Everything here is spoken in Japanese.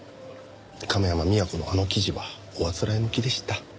亀山美和子のあの記事はおあつらえ向きでした。